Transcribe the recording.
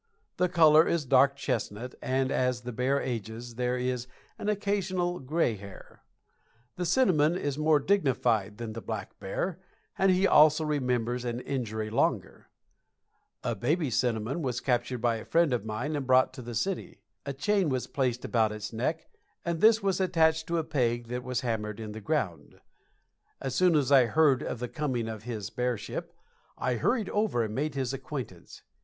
The color is dark chestnut, and as the bear ages there is an occasional gray hair. The cinnamon is more dignified than the black bear, and he also remembers an injury longer. A baby cinnamon was captured by a friend of mine and brought to the city. A chain was placed about its neck, and this was attached to a peg that was hammered in the ground. As soon as I heard of the coming of his bearship I hurried over and made his acquaintance.